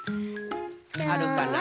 あるかな？